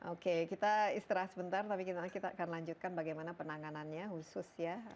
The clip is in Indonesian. oke kita istirahat sebentar tapi kita akan lanjutkan bagaimana penanganannya khusus ya